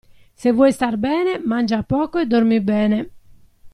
Se vuoi star bene, mangia poco e dormi bene.